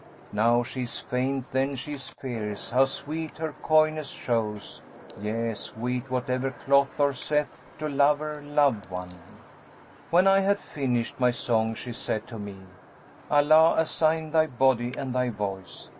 Now she is fain; then she is fierce: how sweet her coyness shows; * Yea sweet whatever cloth or saith to lover loved one!' When I had finished my song she said to me, 'Allah assain thy body and thy voice!